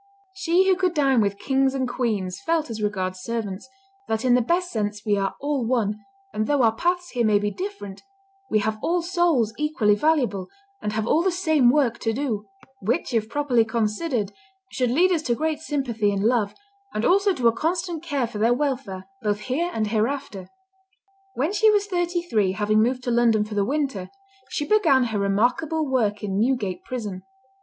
'" She who could dine with kings and queens, felt as regards servants, "that in the best sense we are all one, and though our paths here may be different, we have all souls equally valuable, and have all the same work to do; which, if properly considered, should lead us to great sympathy and love, and also to a constant care for their welfare, both here and hereafter." When she was thirty three, having moved to London for the winter, she began her remarkable work in Newgate prison.